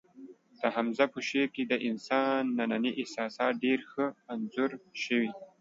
د حمزه په شعر کې د انسان ننني احساسات ډېر ښه انځور شوي